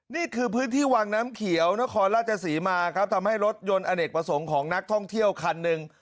นี่คือพื้นที่วังน้ำเขียวนครราชศรีมาครับทำให้รถยนต์อเนกประสงค์ของนักท่องเที่ยวคันหนึ่ง